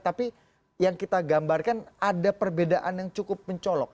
tapi yang kita gambarkan ada perbedaan yang cukup mencolok